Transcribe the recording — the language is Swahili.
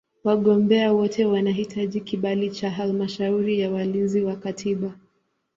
Wagombea wote wanahitaji kibali cha Halmashauri ya Walinzi wa Katiba.